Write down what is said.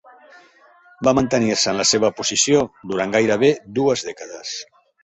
Va mantenir-se en la seva posició durant gairebé dues dècades.